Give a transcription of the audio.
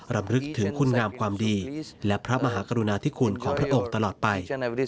รำลึกถึงคุณงามความดีและพระมหากรุณาธิคุณของพระองค์ตลอดไป